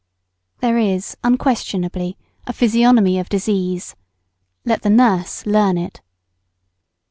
There is, unquestionably, a physiognomy of disease. Let the nurse learn it.